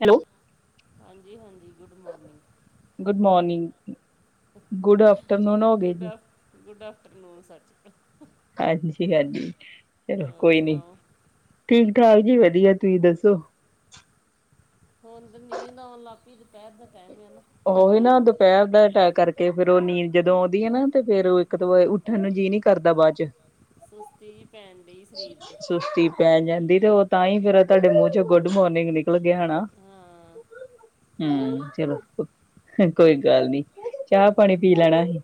Hello! ਹਾਂਜੀ-ਹਾਂਜੀ good morning. Good morning, good afternoon ਹੋ ਗਈ ਗੁੱਡ ਹੈ। ਆਫ ਗੁੱਡ ਆਫਟਰਨੂਨ ਸੱਚ। ਹਾਂਜੀ ਸਤਿ ਸ਼੍ਰੀ ਅਕਾਲ ਜੀ ਚਲੋ ਹੋਰ ਕੋਈ ਨੀ। ਸੁਣਾਓ ਠੀਕ ਠਾਕ ਜੀ, ਵਧੀਆ ਤੁਸੀਂ ਦੱਸੋ? ਹੁਣ ਤੇ ਨੀਂਦ ਆਉਣ ਲਗ ਪਈ। ਦੁਪਹਿਰ ਦਾ ਟਾਈਮ ਆ ਨਾ। ਉਹੀ ਨਾ ਦੁਪਹਿਰ ਦਾ ਹੈ ਟੈਗ ਕਰਕੇ਼ੇ, ਫਿਰ ਉਹ ਨੀਂਦ ਜਦੋਂ ਆਉਂਦੀ ਹੈ ਨਾ ਤੇ ਫਿਰ ਉਹ ਇੱਕਦਮ ਹੀ ਉੱਠ ਹੂੰ ਸਾਨੂੰ ਜੀਹ ਨੀ ਕਰਦਾ ਬਾਅਦ ਚ। ਸੁਸਤੀ ਜਿਹੀ ਪੈ ਦੀ ਏ ਸਰੀਰ ਤੇ। ਸੁਸਤੀ ਪੈ ਜਾਂਦੀ, ਤੇ ਉਹ ਤਾਂ ਹੀ ਫਿਰ ਤੁਹਾਡੇ ਮੂੰਹ ਚੋਂ ਗੁੱਡ ਮੋਰਨਿੰਗ ਨਿਕਲ ਗਿਆ ਨਾ। ਹਾਂ ਹੂੰ, ਚਲੋ। ਕੋਈ ਗੱਲ ਨੀ ਚਾਹ ਪਾਣੀ ਪੀ ਲੈਣਾ ਹੀ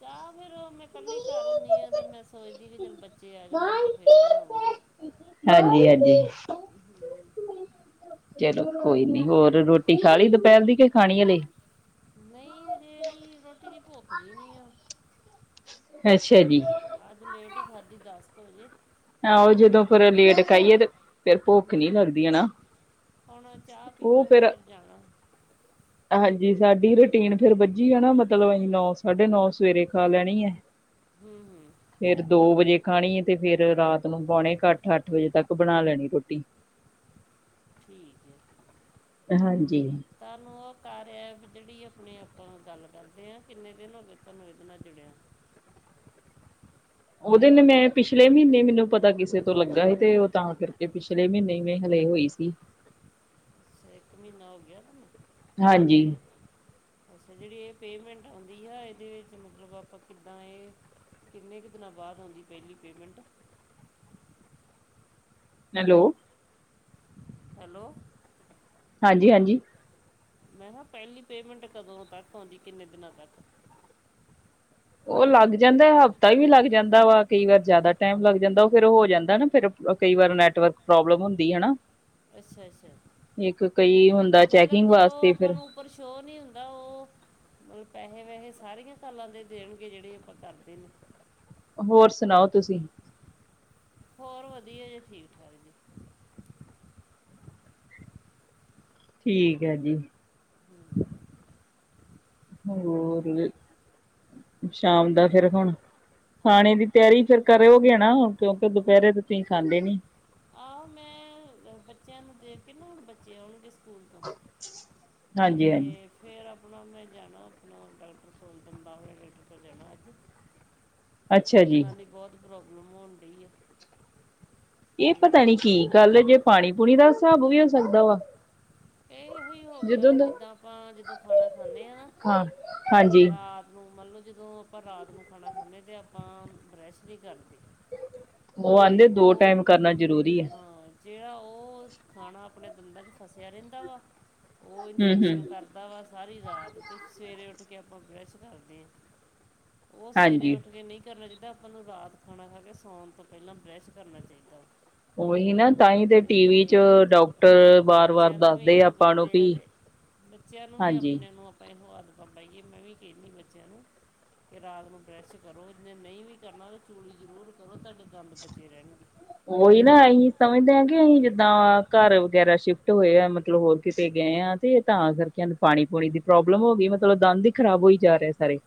ਚਾਹ ਫਿਰ ਮੈਂ ਇਕੱਲੀ ਘਰ ਹੁੰਦੀ ਹਾਂ ਤੇ ਮੈਂ ਸੋਚਦੀ ਕਿ ਚੱਲ ਬੱਚੇ ਆ ਜਾਣਗੇ ਤਾਂ ਫਿਰ ਹੀ ਬਣਾਉਂਗੀ ਹਾਂਜੀ ਹਾਂਜੀ ਹੂੰ,,, ਚਲੋ ਕੋਈ ਨੀ ਹੋਰ ਰੋਟੀ ਖਾ ਲਈ ਦੁਪਹਿਰ ਦੀ ਕੇ ਖਾਣੀ ਹਲੇ ਨਹੀਂ ਹਜੇ ਨਹੀਂ ਰੋਟੀ ਦੀ ਭੁੱਖ ਨਹੀਂ ਆ ਅੱਛਾ ਜੀ ਹਾਂ, ਅੱਜ ਲੇਟ ਹੀ ਖਾਧੀ ਦਸ ਕੁ ਵਜੇ ਆਹ ਉਹ ਜਦੋਂ ਫਰ ਲੇਟ ਖਾਈਏ ਤੇ ਫਿਰ ਭੁੱਖ ਨਹੀਂ ਲੱਗਦੀ ਹੈ ਨਾ ਹੁਣ ਚਾਹ ਉਹ ਪੀਵਾਂਗੇ ਫਿਰ ਜਾਣਾ ਹਾਂਜੀ ਸਾਡੀ ਰੂਟੀਨ ਫਿਰ ਵੱਜੀ ਆ ਨਾ ਮਤਲਬ ਆ ਨੌ ਸਾਢੇ ਨੌ ਸਵੇਰੇ ਖਾ ਲੈਣੀ ਹੈ। ਹੂੰ,,, ਫਿਰ ਦੋ ਵਜੇ ਖਾਣੀ ਤੇ ਫਿਰ ਰਾਤ ਨੂੰ ਪੌਣੇ ਕ ਅੱਠ ਅੱਠ ਵਜੇ ਤੱਕ ਬਣਾ ਲੈਣੀ ਰੋਟੀ ਠੀਕ ਹੈ। ਹਾਂਜੀ ਤੁਹਾਨੂੰ ਉਹ ਕਰ ਐਪ ਜਿਹੜੀ ਆਪਣੇ ਆਪਾਂ ਗੱਲ ਕਰਦੇ ਹਾਂ ਕਿੰਨੇ ਦਿਨ ਹੋ ਗਏ ਤੁਹਾਨੂੰ ਇਹਦੇ ਨਾਲ ਜੁੜਿਆ ਉਹਦੇ ਮੈਂ ਪਿਛਲੇ ਮਹੀਨੇ ਮੈਨੂੰ ਪਤਾ ਕਿਸੇ ਤੋਂ ਲੱਗਾ ਸੀ ਤੇ ਉਹ ਤਾਂ ਕਰਕੇ ਪਿਛਲੇ ਮਹੀਨੇ ਵੇ ਹਲੇ ਹੋਈ ਸੀ। ਇੱਕ ਮਹੀਨਾ ਹੋ ਗਿਆ ਤੁਹਾਨੂੰ ਹਾਂਜੀ ਅੱਛਾ ਜਿਹੜੀ ਇਹ ਪੇਮੈਂਟ ਆਉਂਦੀ ਆ ਇਹ ਮਤਲਬ ਆਪਾਂ ਕਿੱਦਾਂ ਇਹ ਕਿੰਨੇ ਕੁ ਦਿਨਾਂ ਬਾਅਦ ਆਉਂਦੀ ਪਹਿਲੀ ਪੇਮੈਂਟ ਹੈਲੋ ਹੈਲੋ ਹਾਂਜੀ ਹਾਂਜੀ ਮੈਂ ਕਿਹਾ ਪਹੈਲੀ ਪੇਮੈਂਟ ਕਦੋਂ ਤੱਕ ਆਉਂਦੀ ਕਿੰਨੇ ਦਿਨਾਂ ਤੱਕ ਉਹ ਲੱਗ ਜਾਂਦਾ ਹਫ਼ਤਾ ਵੀ ਲੱਗ ਜਾਂਦਾ ਵਾ ਕਈ ਵਾਰ ਜਿਆਦਾ ਟਾਈਮ ਲੱਗ ਜਾਂਦਾ ਉਹ ਫੇਰ ਹੋ ਜਾਂਦਾ ਨਾ ਫਿਰ ਕਈ ਵਾਰ ਨੈਟਵਰਕ ਪ੍ਰੋਬਲਮ ਹੁੰਦੀ ਹੈ ਨਾ ਅੱਛਾ ਅੱਛਾ ਇੱਕ ਕਈ ਹੁੰਦਾ ਚੈਕਿੰਗ ਵਾਸਤੇ ਫੇਰ ਪਰ ਸ਼ੋ ਨੀ ਹੁੰਦਾ ਉਹ ਮਤਲਬ ਪੈਹੇ ਵੈਹੇ ਸਾਰੀਆਂ ਕਾਲਾਂ ਦੇ ਦੇਣਗੇ ਜਿਹੜੇ ਆਪਾ ਕਰਦੇ ਹਾਂ ਹੋਰ ਸੁਨਾਓ ਤੁਸੀਂ ਹੋਰ ਵਧੀਆ ਜੇ ਠੀਕ ਠਾਕ ਜੀ ਠੀਕ ਹੈ ਜੀ [inaudible] ਹੋਰ ਸ਼ਾਮ ਦਾ ਫੇਰ ਹੁਨ ਖਾਣੇ ਦੀ ਤਿਆਰੀ ਫੇਰ ਕਰਿਓਗੇ ਨਾੁ ਕਿਉਂਕਿ ਦੁਪਹਿਰੇ ਤੇ ਤੁਸੀਂ ਖਾਂਦੇ ਨੀ ਆਹ ਮੈਂ ਬੱਚਿਆਂ ਨੂੰ ਦੇ ਕਿੰਨਾ ਕੁਣ ਬੱਚੇ ਆਉਣਗੇ ਸਕੂਲ ਤੋਂ ਹਾਂਜੀ ਹਾਂਜੀ ਤੇ ਫਿਰ ਆਪਣਾ ਮੈਂ ਜਾਣਾ ਆਪਣਾ ਡਾਕ ਕੋਲ ਦੰਦਾ ਡਾਕਟਰ ਕੋਲ ਜਾਣਾ ਅੱਜ ਅੱਛਾ ਜੀ ਦੰਦਾਂ ਦੀ ਬਹੋਤ ਪ੍ਰੋਬਲਮ ਹੋਣ ਡਹੀ ਆ ਇਹ ਪਤਾ ਤੇ ਨੀ ਕੀ ਗੱਲ ਜੇ ਪਾਣੀ ਪੂਣੀ ਦਾ ਹਿਸਾਬ ਵੀ ਹੋ ਸਕਦਾ ਵਾ ਇਹ ਇਹੋਹੀ ਹੋ ਗਿਆ ਜਦੋਂ ਵਾ ਦਾ ਜਿੱਦਾਂ ਆਪਾਂ ਜਦੋਂ ਖਾਣਾ ਖਾਂਦੇ ਹਾਂ ਨਾ ਰਾਤ ਨੂੰ ਮਨਲੋ ਜਿਦੋਂ ਆਪਾਂ ਰਾਤ ਨੂੰ ਖਾਣਾ ਖਾਂਦੇ ਹ ਅਤੇ ਆਪਾਂ ਬਰੈਸ਼ ਨਹੀਂ ਕਰਦੇ ਉਹ ਆਉਂਦੇ ਤੇ ਦੋ ਉਹ ਟਾਈਮ ਕਰਨਾ ਜਰੂਰੀ ਆ ਹਾਂ ਜਿਹੜਾ ਉਹ ਖਾਣਾ ਆਪਣੇ ਦੰਦਾਂ 'ਚ ਫਸਿਆ ਰਹਿੰਦਾ ਵਾ ਉਹ ਹਮ ਹਮ ਇਨਫੈਕਸ਼ਨ ਕਰ ਦਾ ਵ ਸਾਰੀ ਰਾਤ ਤੇ ਸਵੇਰੇ ਉੱਠ ਕੇ ਆਪਾਂ ਬਰਸ਼ ਕਰਦੇ ਹਾਂ ਉਹ ਸਵੇਰੇ ਹਾਂਜੀ ਉੱਠ ਕੇ ਨਹੀਂ ਕਰਨਾ ਚਾਹੀਦਾ ਆਪਾਂ ਨੂੰ ਰਾਤ ਖਾਣਾ ਖਾ ਕੇ ਸਾਉਣ ਤੋਂ ਪਹਿਲਾਂ ਬਰੈਸ਼ ਕਰਨਾ ਚਾਹੀਦਾ ਉਹੀ ਨਾ ਤਾਂਹੀ ਤੇ ਟੀਵੀ ਚ ਡਾਕਟਰ ਵਾਰ ਵਾਰ ਦੱਸ ਇਹ ਪੈਂਦੇ ਆ ਬੱਚਿਆਂ ਨੂੰ ਵੀ ਹਾਂਜੀ ਆਪਣੇ ਮੋਬਾਈਲ ਨੂੰ ਹੱਥ ਨਾ ਪਾਈਏ ਮੈਂ ਵੀ ਕਹਿਨੀ ਬੱਚਿਆਂ ਨੂੰ। ਕਿ ਰਾਤ ਨੂੰ ਬਰਸ਼ ਕਰੋ ਜੇ ਨਹੀਂ ਵੀ ਕਰਨਾ ਤਾਂ ਚੂਲੀ ਜ਼ਰੂਰ ਕਰੋ ਤੁਹਾਡੇ ਦੰਦ ਬਚੇ ਰਹਿਣਗੇ। ਉਹੀ ਨਾ ਅਸੀਂ ਸਮਝਦੇ ਹਾਂ ਕਿ ਅਸੀਂ ਜਿੱਦਾਂ ਘਰ ਵਗੈਰਾ ਸ਼ਿਫਟ ਹੋਏ ਆ ਮਤਲਬ ਹੋਰ ਕਿੱਤੇ ਗਏ ਹਾਂ। ਤੇ ਤਾਂ ਕਰਕੇ ਪਾਣੀ ਪੂਣੀ ਦੀ ਪ੍ਰੋਬਲਮ ਹੋ ਗਈ ਮਤਲਬ ਦੰਦ ਹੀ ਖਰਾਬ ਹੋਈ ਜਾ ਰਿਹੇ ਸਾਰੇ।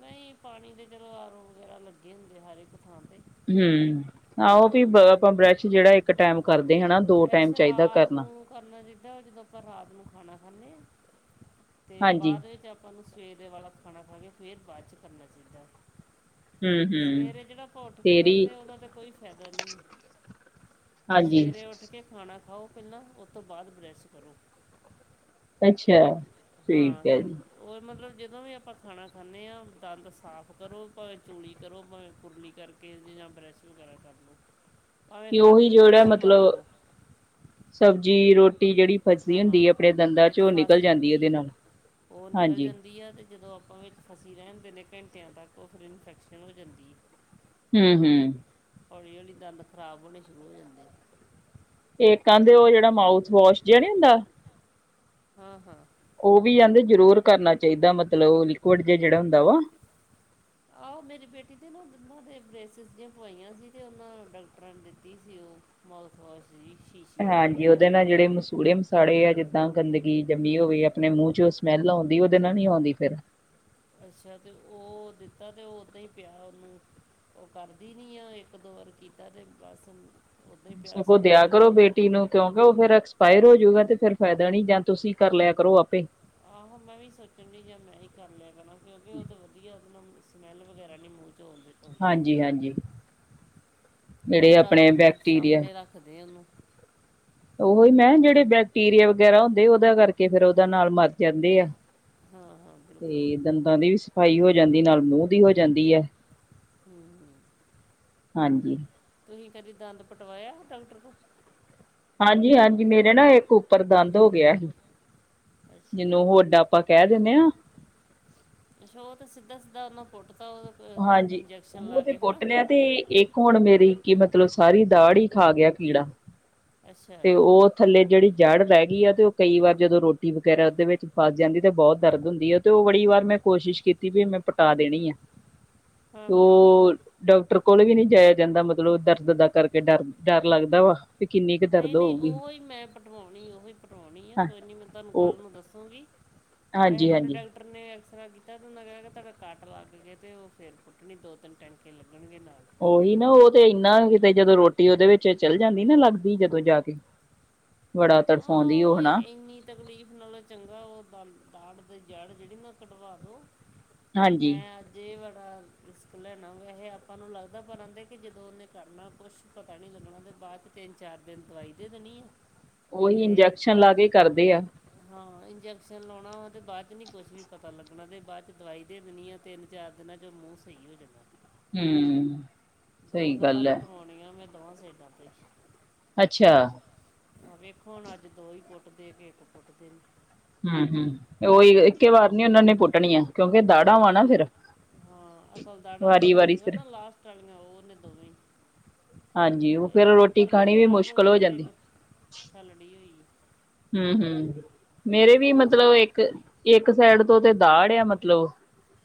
ਨਹੀਂ ਪਾਣੀ ਦੇ ਚਲੋ ਆਰੋ ਵਗੈਰਾ ਲੱਗੇ ਹੁੰਦੇ ਹਰ ਇੱਕ ਥਾਂ ਤੇ। ਹਮ ਆਹੋ ਵੀ ਆਪਾਂ ਬਰਸ਼ ਜਿਹੜਾ ਇੱਕ ਟਾਈਮ ਕਰਦੇ ਹਨਾ ਦੋ ਟਾਈਮ ਬ੍ਰੈਸ਼ ਚਾਹੀਦਾ ਰਾਤ ਕਰਨਾ। ਨੂੰ ਕਰਨਾ ਚਾਹੀਦਾ ਦੋਂ ਆਪਾਂ ਰਾਤ ਨੂੰ ਖਾਣਾ ਖਾਂਦੇ ਹਾਂ ਤੇ ਹਾਂਜੀ ਬਾਅਦ ਵਿੱਚ ਆਪ ਆਪਾਂ ਨੂੰ ਸਵੇਰੇ ਵਾਲਾ ਖਾਣਾ ਖਾ ਕੇ ਫਿਰ ਬਾਅਦ 'ਚ ਕਰਨਾ ਚਾਹੀਦੈ। ਹਮ ਹਮ ਸਵੇਰੇ ਜਿਹੜਾ ਆਪਾਂ ਉੱਠ ਕੇ ਤੇਰੀ ਕਰਦੇ ਹਾਂ ਉਹਦਾ ਤਾਂ ਕੋਈ ਫਾਇਦਾ ਨਹੀਂ। ਹਾਂਜੀ ਸਵੇਰੇ ਉੱਠ ਕੇ ਖਾਣਾ ਖਾਓ ਪਹਿਲਾਂ ਉਹ ਤੋਂ ਬਾਅਦ ਬਰਸ਼ ਕਰੋ। ਅੱਛਾ ਹਾਂ ਠੀਕ ਹੈ ਤੇ ਜੀ ਉਹ ਮਤਲਬ ਜਦੋਂ ਵੀ ਆਪਾਂ ਖਾਣਾ ਖਾਂਦੇ ਹਾਂ ਦੰਦ ਸਾਫ਼ ਕਰੋ, ਭਾਵੇਂ ਚੂਲੀ ਕਰੋ, ਭਾਵੇਂ ਕੁਰਲੀ ਕਰਕੇ ਕੇਸ ਦੀ ਜਾਂ ਬਰੈਸ਼ ਵਗੈਰਾ ਕਰਦੇ। ਹੁਣ ਵੀ ਉਹੀ ਜਿਹੜਾ ਮਾਰ ਮਤਲਬ ਲਓ ਸਬਜ਼ੀ ਰੋਟੀ ਜਿਹੜੀ ਫਸਦੀ ਹੁੰਦੀ ਹਾਂ ਏ ਆਪਣੇ ਦੰਦਾਂ ਵਿੱਚ ਚ ਉਹ ਫਸ ਨਿਕਲ ਜਾਂਦੀ ਐ ਇਹਦੇ ਹੈ ਨਾਲ। ਉਹ ਨਿਕਲ ਹਾਂਜੀ ਜਾਂਦੀ ਆ ਤੇ ਜਦੋਂ ਆਪਾਂ ਵੀ ਫਸੀ ਰਹਿਣ ਦਿੰਦੇਆ ਘੰਟਿਆਂ ਤੱਕ ਉਹ ਫਿਰ ਇਨਫੈਕਸ਼ਨ ਹੋ ਜਾਂਦੀ ਐ। ਹੂੰ ਹੂੰ। ਹੌਲੀ -ਹੌਲੀ ਦੰਦ ਖਰਾਬ ਹੋਣੇ ਸ਼ੁਰੂ ਹੋ ਜਾਂਦੇ ਨੇ। ਉਹ ਕਹਿੰਦੇ ਉਹ ਜਿਹੜਾ ਮਾਊਥ ਵਾਸ਼ ਜਿਹਾ ਨੀ ਹੁੰਦਾ? ਹਾਂ ਹਾਂ। ਉਹ ਵੀ ਆਦੇ ਜਰੂਰ ਕਰਨਾ ਚਾਹੀਦਾ ਮਤਲਬ ਲਿਕਵਡ ਜ ਜਿਹੜਾ ਹੁੰਦਾ ਵਾ ਆਹੋ ਮੇਰੀ ਬੇਟੀ ਤੇ ਦੰਦਾ ਤੇ ਬ੍ਰੈਸਿਸ ਜੀ ਪਈਆਂ ਸੀ ਤੇ ਉਹਨਾਂ ਡਾਕਟਰਾਂ ਨੇ ਦਿੱਤੀ ਸੀ ਉਹ ਮਾਊਥਵਾਸ਼ ਦੀ ਸ਼ੀਸ਼ੀ। ਵੀ ਔਦੇ ਨਾਲ ਜਿਹੜੇ ਮਸੂੜੇ -ਮਸਾੜੇ ਹੈਗੇ ਦਾਂ ਗੰਦਗੀ ਜੰਮੀ ਹਮ, ਹੋਵੇ ਆਪਣੇ ਮੂੰਹ ਚ ਉਹ ਸਮੈਲ ਆਉਂਦੀ ਉਹਦੇ ਤੇ ਨਾਲ ਨੀ ਆਉਂਦੀ ਫਿਰ। ਅੱਛਾ ਤੇ ਉਹ ਦਿੱਤਾ ਤੇ ਉਹ ਓਦਾਂ ਹੀ ਪਿਆ ਉਹਨੂੰ ਉਹ ਕਰਦੀ ਨੀ ਏ ਇੱਕ- ਦੋ ਵਾਰ ਕੀਤਾ ਤੇ ਬਸ ਹੀ ਪਿਆ ਸਗੋਂ ਦਿਆ ਮੈਂ ਕਰੋ ਗੇ? ਤੀ ਨੂੰ ਕਿਉਂਕਿ ਉਹ ਫਿਰ ਐਕਸਪਾਇਰ ਹੋਜੂਗਾ ਹਮ, ਤੇ ਫਿਰ ਫਾਇਦਾ ਨੀ ਜਾਂ ਤੁਸੀਂ ਕਰ ਲਿਆ ਕਰੋ ਆਪੇ। ਆਹੋ ਮੈਂ ਵੀ ਸੋਚਣ ਡੀਆ ਮੈਂ ਹੀ ਕਰ ਲਿਆ ਕਰਨਾ ਕਿਉਂਕਿ ਉਹ ਤਾਂ ਵਧੀਆ ਏਦੇ ਨਾਲੋ ਦੱਸ ਸਮੈੱਲ ਵਗੈਰਾ ਨੀ ਮੂੰਹ ਚੋ ਆਉਂਦੀ। ਆਉਂਦੀ ਹਾਂਜੀ ਹਾਂਜੀ। ਜਿਹੜੇ ਮੈਂ ਆਪਣੇ ਰੱਖਦੀ ਬੈਕਟੀਰੀਆ ਸਾਹਮਣੇ ਰੱਖਦੇ ਉਹਨੂੰ ਉਹੀ ਮੈਂਮ ਜਿਹੜੇ ਬੈਕਟੀਰੀਆ ਵਗੈਰਾ ਹੁੰਦੇ ਉਹਦਾ ਕਰਕੇ ਫਿਰ ਉਹਦਾ ਨਾਲ ਮਰ ਜਾਂਦੇ ਆ। ਹਾਂ ਹਾਂ, ਬਿਲ ਤੇ ਦੰਦਾਂ ਦੀ ਵੀ ਸਫ਼ਾਈ ਹੋ ਜਾਂਦੀ ਨਾਲ ਮੂੰਹ ਦੀ ਹੋ ਜਾਂਦੀ ਐ। ਹੂੰ ਹਾਂਜੀ। ਤੁਸੀਂ ਕਦੇ ਦੰਦ ਪਟਵਾਇਆ ਡਾਕਟਰ ਤੋਂ? ਹਾਂਜੀ ਹਾਂਜੀ ਮੇਰੇ ਨਾ ਇੱਕ ਉੱਪਰ ਦੰਦ ਹੋ ਗਿਆ ਸੀ, ਅੱਛਾ ਜਿਹਨੂੰ ਉਹ ਵੱਡਾ ਆਪਾਂ ਕਹਿ ਦੇਨੇ ਆ ਜੋਤ ਸਿੱਧਾ- ਸਿੱਧਾ ਉਹਨਾ ਪੁਟਤਾ ਏ। ਹਾਂਜੀ, ਉਹ ਤੇ ਪੁੱਟ ਲਿਆ ਤੇ ਇੱਕ ਹੁਣ ਮੇਰੀ ਕੀ ਮਤਲਬ ਸਾਰੀ ਦਾੜ ਹੀ ਖਾ ਗਿਆ ਕੀੜਾ, ਅੱਛਾ ਤੇ ਉਹ ਥੱਲੇ ਜਿਹੜੀ ਜੜ੍ਹ ਰਹਿ ਗਈ ਆ ਤੇ ਉਹ ਕਈ ਵਾਰ ਜਦੋਂ ਰੋਟੀ ਵਗੈਰਾ ਦੇ ਵਿੱਚ ਫਸ ਜਾਂਦੀ ਤੇ ਬੋਤ ਦਰਦ ਹੁੰਦੀ ਐ। ਤੇ ਉਹ ਬੜੀ ਵਾਰ ਮੈਂ ਕੋਸ਼ਿਸ਼ ਕੀਤੀ ਵੀ ਮੈਂ ਪਟਾ ਦੇਣੀ ਐ। [inaudible] ਹਾਂ ਹੋਰ ਡਾਕਟਰ ਕੋਲ ਵੀ ਨੀ ਜਾਇਆ ਜਾਂਦਾ ਮਤਲਬ ਦਰਦ ਦਾ ਕਰਕੇ ਡਰ -ਡਰ ਲੱਗਦਾ, ਵੀ ਕਿੰਨੀ ਕੁ ਨਈ ਦਰਦ -ਨਈ ਹੋਊਗੀ ਉਹੀ ਮੈਂ ਪਟਵਾਉਣੀ ਐ, ਉਹੀ ਪਟਵਾਉਣੀ ਆ ਹਾਂ ਕੋਈ ਨਹੀਂ ਮੈਂ ਤੁਹਾਨੂੰ ਉਹ ਕੱਲ੍ਹ ਨੂੰ ਦੱਸੂੰਗੀ। ਵੈਸੇ ਹਾਂਜੀ ਮੈਨੂੰ ਹਾਂਜੀ ਡਲ ਡਾਕਟਰ ਨੇ ਐਕਸਰਾ ਕੀਤਾ ਸੀ ਤੇ ਉਹਨਾਂ ਕਿਹਾ ਕਿ ਤੁਹਾਡਾ ਕੱਟ ਲੱਗ ਗਏ ਤੇ ਉਹ ਫਿਰ ਪੁੱਟਣੀ ਦੋ -ਤਿੰਨ ਟੈਂਕੇ ਲੱਗਣਗੇ ਨਾਲ। ਉਹੀ ਨਾ ਉਹ ਤੇ ਇੰਨਾ ਕਿਤੇ ਜਦੋਂ ਰੋਟੀ ਉਹਦੇ ਵਿੱਚ ਚੱਲ ਜਾਂਦੀ ਨਾ ਲੱਗਦੀ ਜਦੋਂ ਜਾ ਕੇ ਬੜਾ ਤੜਫਾਉਂਦੀ ਉਹ ਹਨਾ। ਤਕਲੀਫ਼ ਨਾਲੋ ਚੰਗਾ ਉਹ ਦੰਦ ਦਾੜ ਦੀ ਜੜ ਜਿਹੜੀ ਨਾ ਕਢਵਾ ਦੋ। ਹਾਂਜੀ ਮੈਂ ਅੱਜ ਜੇ ਬੜਾ ਰਿਸ਼ਕ ਲੈਣਾ ਵੈ ਇਹ ਆਪਾਂ ਨੂੰ ਲੱਗਦਾ ਪਰ ਆਉਂਦੇ ਕਿ ਜਦੋਂ ਉਹਨੇ ਕਰਨਾ ਕੁਛ ਪਤਾ ਨਹੀਂ ਲੱਗਣਾ ਤੇ ਬਾਅਦ ਤਿੰਨ ਚਾਰ ਦਿਨ ਦਵਾਈ ਦੇ ਦੇਣੀ ਆ। ਉਹੀ ਤੇ ਇੰਜੈਕਸ਼ਨ ਲਾ ਕੇ ਕਰਦੇ ਆ। ਹਾਂ ਇੰਜੈਕਸ਼ਨ ਲਾਉਣਾ ਤੇ ਬਾਅਦ ਚ ਨੀ ਕੁਛ ਵੀ ਪਤਾ ਲੱਗਣਾ ਤੇ ਬਾਅਦ ਚ ਦਵਾਈ ਦੇ ਦੇਣੀ ਆ। ਤਿੰਨ ਚਾਰ ਦਿਨਾਂ ਚ ਮੂੰਹ ਸਹੀ ਹੋ ਜਾਂਦਾ। ਹਮ [unintelligible] ਦੋ ਸਹੀ ਦਾੜ੍ਹਾਂ ਗੱਲ ਹੈ ਪਟਵਾਉਣੀਆਂ ਮੈਂ ਦੋਵਾਂ‌ ਸੇ ਡਰ। [unintelligible] ਅੱਛਾ। ਆਹ ਵੇਖੋ ਹੁਣ ਅੱਜ ਦੋ ਹੀ ਪੁੱਟਦੇ ਕਿ ਇੱਕ ਪੁੱਟਦੇ ਨੇ। ਹਮ ਹਮ ਉਹੀ ਇੱਕੇ ਵਾਰ ਨੀ ਉਹਨਾਂ ਨੇ ਪੁੱਟਣੀਆਂ ਕਿਉਂਕਿ ਦਾੜਾ ਵਾਂ ਨਾ ਫੇਰ। ਹਾਂ ਅਕਲਦਾੜਾਂ ਜਿਹੜੀਆਂ ਹੁੰਦੀਆਂ ਨਾ ਲਾਸਟ ਵਾਲੀਆਂ ਉਹ ਨੇ ਦੋਵੇਂ। ਹਾਂਜੀ ਉਹ ਫੇਰ ਇੱਕ ਰੋਟੀ ਉਪਰਲੀ ਖਾਣੀ ਵੀ ਖਰਾਬ ਮੁਸ਼ਕਿਲ ਹੋਈ ਹੋ ਹੈ ਤੇ ਜਾਂਦੀ ਇੱਕ [unintelligible] ਥੱਲੜੀ ਹੋਈ। ਹਮ ਹਮ ਉਹ ਮੇਰੇ ਵੀ ਦੋਵਾਂ ਮਤਲਬ ਇੱਕ ਇੱਕ ਸੈਡ ਤੋਂ ਤੇ ਦਾੜ ਆ ਮਤਲਬ।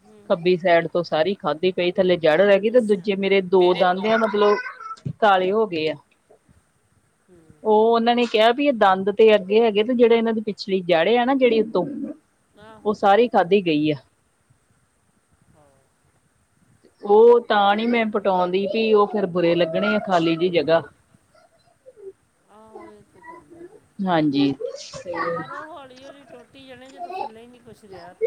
ਹੂੰ ਹੂੰ ਖੱਬੀ ਸਾਈਡ ਤੋਂ ਸਾਰੀ ਖਾਧੀ ਪਈ ਥੱਲੇ ਜੜ ਰਹਿ ਗਈ ਤੇ ਦੂਜੇ ਮੇਰੇ ਦੋ ਦੰਦ ਦੋ ਆ ਮਤਲਬ। ਕਾਲੇ ਹੋ ਗਏ ਆ। ਹਮ [inaudible] ਉਹ ਉਹਨਾਂ ਨੇ ਕਿਹਾ ਵੀ ਇਹ ਦੰਦ ਤੇ ਅੱਗੇ ਹੈਗੇ ਤੇ ਜਿਹੜੇ ਇਹਨਾਂ ਦੀ ਪਿਛਲੀ ਜੜੇ ਆ ਨਾ ਜਿਹੜੇ ਉਤੋਂ। ਉਹ ਆਹੋ ਸਾਰੀ ਖਾਧੀ ਗਈ ਹੈ। ਹਾਂ ਉਹ ਤਾਂ ਨਹੀਂ ਮੈਂ ਪਟਾਉਂਦੀ ਸੀ ਉਹ ਫੇਰ ਬੁਰੇ ਲੱਗਣੇ ਆ ਖਾਲੀ ਜਿ ਜਗ੍ਹਾ। ਆਹੋ ਇਹ ਤੇ ਗੱਲ ਹੈਗੀ ਹਾਂਜੀ [unintelligible] ਪਰ ਉਹ ਹੌਲੀ ਹੌਲੀ ਟੁੱਟ। ਟੁੱਟੀ ਜਣੇ ਜੇ ਥੱਲੇ ਹੀ ਨਹੀਂ ਕੁਛ ਰਿਹਾ‌‌ ਤੇ।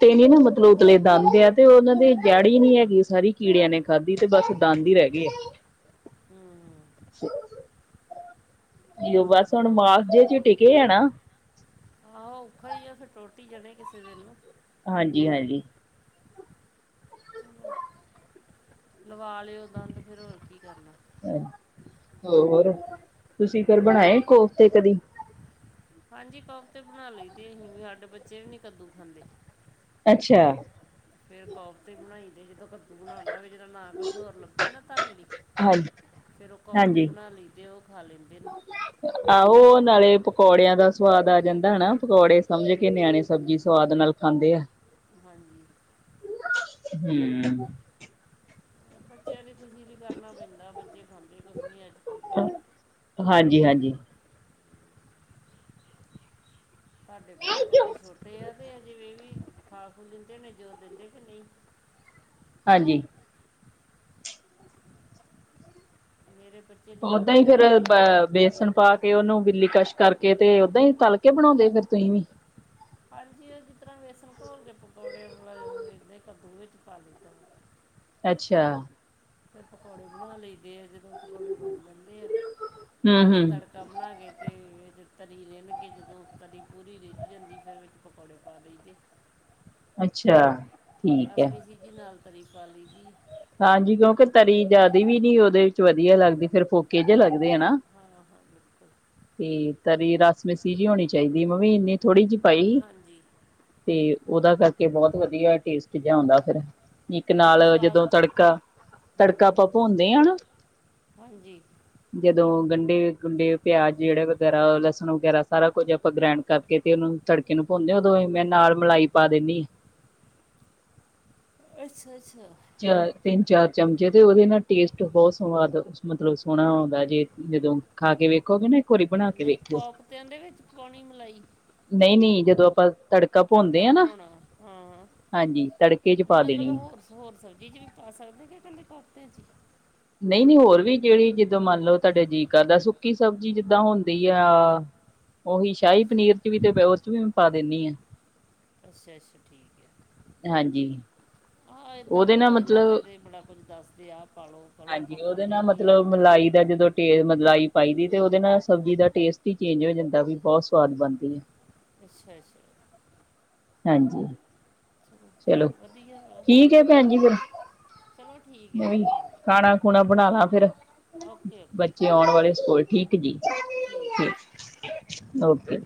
ਤੇ ਨੀ ਨਾ ਮਤਲਬ ਉਤਲੇ ਦੰਦ ਆ ਤੇ ਉਹਨਾਂ ਦੇ। ਜੜ ਹੀ ਨੀ ਹੈਗੀ ਸਾਰੀ ਕੀੜਿਆਂ ਨੇ ਖਾਧੀ ਤੇ ਬਸ ਦੰਦ ਹੀ ਰਹਿ ਗਏ ਆ। ਹਮਮ [inaudible] ਬਸ ਹੁਣ ਬੜਾ ਔਖਾ ਮਾਸ ਜੇ ਚ ਟਿੱਕੇ ਆ ਨਾ। ਆਹੋ ਔਖਾ ਆ ਫਿਰ ਟੂਟ‌‌ ਹੀ ਜਾਣੇ ਕਿਸੇ ਦਿਨ। ਹਾਂਜੀ ਹਾਂਜੀ। [inaudible] ਚਲੋ [unintelligible] ਲਵਾ ਲਿਓ ਦੰਦ ਫਿਰ ਹੋਰ ਕੀ ਕਰਨਾ। ਹੋਰ ਤੁਸੀਂ ਫਿਰ ਬਣਾਏ ਕੋਫਤੇ ਕਦੀ। ਹਾਂਜੀ ਕੋਫਤੇ ਬਣਾ ਲਈ ਤੇ ਅਹੀ ਵੀ ਹਾਡੇ ਬੱਚੇ ਵੀ ਨਹੀਂ ਕੱਦੂ ਖਾਂਦੇ। ਅੱਛਾ। ਫੇਰ ਕੋਫਤੇ ਬਣਾਈ ਦੇ ਜਦੋਂ ਕੁਛ। ਬਣਾਉਣਾ ਹੋਵੇ ਜਦੋ ਨਾ ਕੁਛ ਹੋਰ ਲੱਭੇ ਨਾ ਤਰਨ ਲਈ। ਹਾਂਜੀ ਫੇਰ ਉਹ ਕੋਫਤੇ ਹਾਂਜੀ ਬਣਾ ਲਈ ਦੇ ਉਹ ਖਾ ਲੈਂਦੇ ਨੇ। ਆਹੋ ਨਾਲੇ ਪਕੌੜਿਆਂ ਦਾ ਸਵਾਦ ਆ ਜਾਂਦਾ ਹਨਾ, ਪਕੌੜੇ ਸਮਝ ਕੇ ਨਿਆਣੇ ਸਬਜ਼ੀ ਸਵਾਦ ਨਾਲ। ਖਾਂਦੇ ਆ। ਹਾਂਜੀ। ਹਮ [inaudible] ਬੱਚਿਆਂ ਲਈ ਖੁਸ਼ੀ ਲਈ ਵੀ ਕਰਨਾ ਪੈਂਦਾ ਬੱਚੇ ਖਾਂਦੇ ਕੁਛ ਨੀ ਅੱਜ ਕੱਲ। ਹਾਂਜੀ ਹਾਂਜੀ। ਸਾਡੇ ਬੱਚੇ ਤਾਂ ਹਜੇ ਛੋਟੇ ਆ, ਤੇ ਅਜੇ ਏਵੀ ਵੀ ਖਾ ਖੂ ਲੈਂਦੇ ਨੇ ਜਦੋ ਦੇਂਦੇ ਕਿ ਨੀ ਹਾਂਜੀ। ਮੇਰੇ [unintelligible] ਓਦਾਂ ਈ ਫੇਰ ਮੇਰੇ ਵੇਸਨ ਪਾ ਕੇ ਤੇ ਓਨੂੰ ਬਿੱਲੀ ਕੱਸ਼ ਕਰਕੇ ਤੇ ਓਦਾਂ ਈ ਤਾੱਲ ਕੇ ਬਣੋਂਦੇ ਫੇਰ ਤੁਹੀਂ ਵੀ ਹਾਂਜੀ, ਜਿਸ ਤਰਾਂ ਵੇਸਨ ਘੋਲ ਕੇ ਪਕੌੜੇ [unintelligible] ਕਦੂ ਵਿਚ ਪਾ ਲਈਦਾ ਅੱਛਾ। ਫੇਰ ਪਕੌੜੇ ਬਣਾ ਲਈਦੇ ਐ ਜਦੋਂ ਪਕੌੜੇ ਬੰਨ ਜਾਂਦੇ ਐ, ਬਾਦ ਹਮ 'ਚ ਹਮ ਤੜਕਾ ਏਦਾਂ ਬਨਾ ਕੇ, ਤੇ ਵਿੱਚ ਤਰੀ ਰਿੰਨ ਕੇ ਜਦੋਂ ਤਰੀ ਪੂਰੀ ਰਿੱਝ ਜਾਂਦੀ ਫੇਰ ਵਿੱਚ ਪਕੌੜੇ ਪਾ ਦਈਦੇ। ਅੱਛਾ। ਠੀਕ ਰਸ ਹੈ ਮੀਸੀ ਜੀ ਨਾਲ ਤਰੀ ਪਾ ਲਈਦੀ। ਹਾਂਜੀ, ਕਯੋਂਕਿ ਤਰੀ ਜਿਆਦੀ ਵੀ ਨੀ ਓਹਦੇ ਵਿੱਚ ਵਦੀਆ ਲੱਗਦੀ ਫੇਰ ਫੋ ਫੋਕੇ ਜੇ ਲੱਗਦੇ, ਨਾ। ਹਾਂ ਹਾਂ ਬਿਲਕੁਲ ਤੇ ਤਰੀ ਰਾੱਸ ਮਿਸੀ ਜੀ ਹੋਣੀ ਚਾਈਦੀ, ਮੈਂਵੀ ਇਨੀ ਥੋੜੀ ਜੀ ਪਾਈ ਹਾਂਜੀ ਤੇ ਓਹਦਾ ਕਰਕੇ ਬੋਤ ਵਦੀਆ ਟੇਸਟ ਜੇਆ ਆਉਂਦਾ ਫੇਰ, ਇੱਕ ਬੜੀ ਨਾਲ ਜਦੋਂ ਸਵਾਦ ਤੜਕਾ, ਤੜਕਾ ਹੂੰ ਆਪਾਂ ਭੁੰਨਦੇ ਆ ਨਾ ਹਾਂਜੀ ਜਦੋਂ ਗੰਡੇ, ਗੁੰਡੇ, ਪਯਾਜ ਜੇੜਾ ਵਗੈਰਾ, ਲਸਨ ਵਗੈਰਾ, ਸਾਰਾ ਕੁੱਝ ਆਪਾਂ ਗ੍ਰੈਂਡ ਕਰਕੇ, ਤੇ ਓਨੂੰ ਤੜਕੇ ਨੂੰ ਭੁੰਨਦੇ ਓਦੋਂ, ਮੈਂ ਨਾਲ ਮਲਾਈ ਪਾ ਦੇਂਨੀ ਅੱਛਾ, ਅੱਛਾ। 'ਚ ਤਿੰਨ-ਚਾਰ ਚਮਚੇ, ਤੇ ਓਹਦੇ ਨਾਲ ਟੇਸਟ ਬੋਤ ਸਵਾਦ ਮਤਲਬ ਸੋਹਣਾ ਆਉਂਦਾ ਜੇ ਜਦੋਂ ਖਾ ਕੇ ਵੇਖੋ ਗਏ ਨਾ ਵਾਰੀ ਬਣਾ ਕੇ ਨਈ, ਵੇਖਿਓ ਕੋਫਤਯਾਂ ਦੇ ਵਿੱਚ ਪਾਉਣੀ ਮਲਾਈ? ਨਈ, ਨਈ ਜਦੋਂ ਆਪਾਂ ਤੜਕ ਤੜਕਾ ਭੁੰਨਦੇ ਆ ਨਾ, ਬਣਾਉਣਾ ਹਾਂ ਹਾਂਜੀ, ਤੜਕੇ 'ਚ ਨਹੀਂ ਪਾ ਮਤਲਬ ਦੇਣੀ। ਹੋਰ ਹੋਰ ਸਬਜ਼ੀ 'ਚ ਵੀ ਪਾ ਸਕਦੇ, ਕੇ ਕੱਲੇ ਕੋਫਤਿਆ 'ਚ ਈ? ਨਈ, ਨਈ ਹੋਰ ਵੀ ਜੇੜੀ ਜਿਦਾਂ ਮੰਨ ਲੋ ਤੁਆਡਾ ਜੀ ਕਰਦਾ ਸੁੱਕੀ ਸਬਜ਼ੀ ਜਿੱਦਾਂ ਹੁੰਦੀ ਆ। [inaudible] ਓਹੀ ਸ਼ਾਈ ਅੱਛਾ ਪਨੀਰ 'ਚ ਵੀ, ਤੇ ਓ 'ਚ ਵੀ ਮੈਂ ਪਾ ਦੇਨੀ ਆਂ। ਅੱਛਾ, ਅੱਛਾ ਠੀਕ ਐ। ਹਾਂਜੀ। ਹਾਂ ਏਦਾਂ ਉਹਦੇ ਨਾਲ ਮੋਬਾਇਲਾਂ ਮਤਲਬ ਤੇ ਬੜਾ ਕੁੱਝ ਦੱਸਦੇ, ਆ ਪਾਲੋ। ਹਾਂਜੀ, ਓਹਦੇ ਨਾਲ ਮਤਲਬ ਮਲਾਈ ਦਾ ਜਦੋ ਟੇਰ ਮਲਾਈ ਪਾਈ ਦੀ, ਤੇ ਓਹਦੇ ਨਾਲ ਸਬਜ਼ੀ ਦਾ ਟੇਸਟ ਈ ਚੇਂਜ ਹੋ ਜਾਂਦਾ ਵੀ ਬਉਤ ਸਵਾਦ ਬਣਦੀ ਏ। ਅੱਛਾ-ਅੱਛਾ ਹਾਂਜੀ। ਚਲੋ, ਵਧੀਆ ਵਾ। ਠੀਕ ਐ ਪੈਂਜੀ ਫਿਰ। ਚਲੋ ਠੀਕ ਹੈ ਮੈਂ ਵੀ ਜੀ ਕਰ ਲਓ ਖਾਣਾ ਖੁਣਾ ਬਣਾ ਲਾ ਫੇਰ, ਬ ਓਕੇ ਓਕੇ ਬੱਚੇ ਆਉਣ ਵਾਲੇ ਸਕੂਲ, ਠੀਕ ਜੀ, ਠੀਕ, ਓਕੇ।